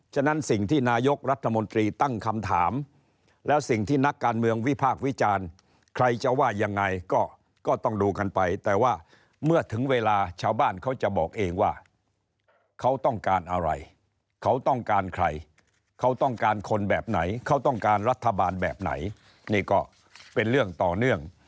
ฉะนั้นสิ่งที่นายกรัฐมนตรีตั้งคำถามแล้วสิ่งที่นักการเมืองวิพากษ์วิจารณ์ใครจะว่ายังไงก็ต้องดูกันไปแต่ว่าเมื่อถึงเวลาชาวบ้านเขาจะบอกเองว่าเขาต้องการอะไรเขาต้องการใครเขาต้องการคนแบบไหนเขาต้องการรัฐบาลแบบไหนนี่ก็เป็นเรื่องต่อเนื่อง